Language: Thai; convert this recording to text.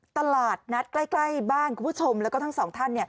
ตลาดนัดใกล้บ้านคุณผู้ชมแล้วก็ทั้งสองท่าน